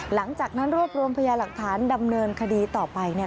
หลังจากนั้นรวบรวมพยาหลักฐานดำเนินคดีต่อไป